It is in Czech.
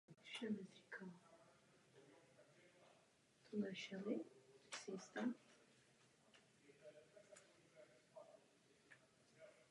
Ve smíšené ekonomice to ovšem platit nemusí.